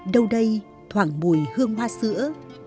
đâu đây thoảng mùi hương hoa sữa